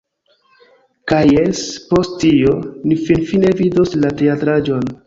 Kaj jes, post tio, ni finfine vidos la teatraĵon